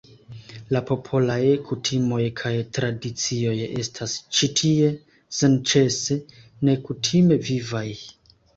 La popolaj kutimoj kaj tradicioj estas ĉi tie senĉese nekutime vivaj.